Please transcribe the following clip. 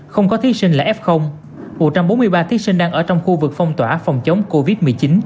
không có thí sinh là f một trăm bốn mươi ba thí sinh đang ở trong khu vực phong tỏa phòng chống covid một mươi chín